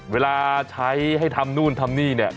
เวลาใช้ให้ทำนู่นทำนี่เนี่ย